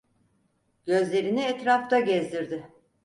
Gözlerini etrafta gezdirdi.